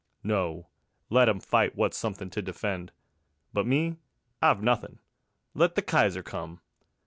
No, let 'em fight wot's something to defend: But me, I've nothin' let the Kaiser come.